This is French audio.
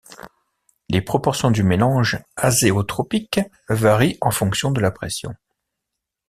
Les proportions du mélange azéotropique varient en fonction de la pression.